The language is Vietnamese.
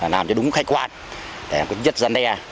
làm cho đúng khách quan nhất dân đe